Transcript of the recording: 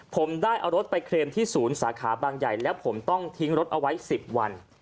ผมได้เอารถไปเคลมที่ศูนย์สาขาบางใหญ่แล้วผมต้องทิ้งรถเอาไว้๑๐วัน